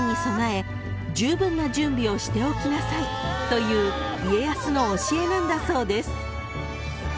［という家康の教えなんだそうです］